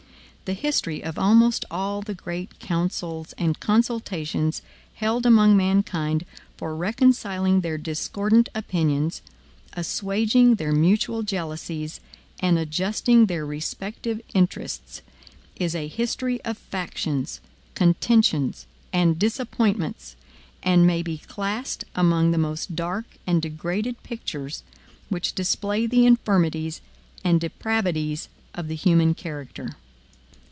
The history of almost all the great councils and consultations held among mankind for reconciling their discordant opinions, assuaging their mutual jealousies, and adjusting their respective interests, is a history of factions, contentions, and disappointments, and may be classed among the most dark and degraded pictures which display the infirmities and depravities of the human character.